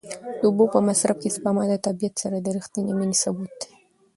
د اوبو په مصرف کې سپما د طبیعت سره د رښتینې مینې ثبوت دی.